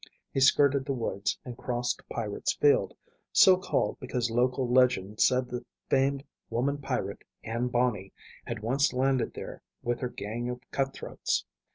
He skirted the woods and crossed Pirate's Field, so called because local legend said the famed woman pirate, Anne Bonney, had once landed there with her gang of cutthroats.